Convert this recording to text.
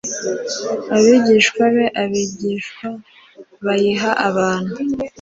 abigishwa be abigishwa bayiha abantu